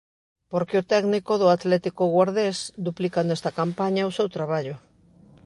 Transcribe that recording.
Porque o técnico do Atlético Guardés duplica nesta campaña o seu traballo.